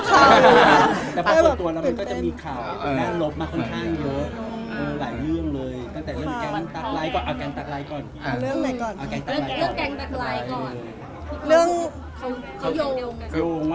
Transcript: แต่บริการคนตัวเรามันก็จะมีข่าวน่ารบมาค่อนข้างเยอะ